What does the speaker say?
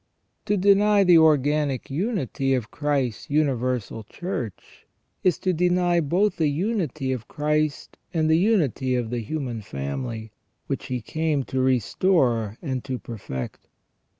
To deny the organic unity of Christ's universal Church is to deny both the unity of Christ and the unity of the human family, which He came to restore and to perfect.